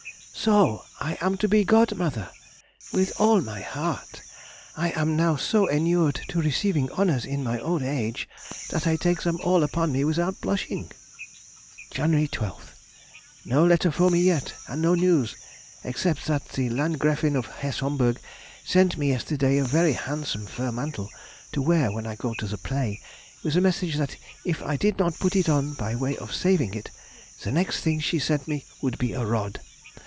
So I am to be godmother! with all my heart! I am now so enured to receiving honours in my old age, that I take them all upon me without blushing.... Jan. 12th.—No letter for me yet! and no news, except that the Landgräfin of Hesse Homburg sent me yesterday a very handsome fur mantle to wear when I go to the play, with a message that if I did not put it on, by way of saving it, the next thing she sent me would be a rod.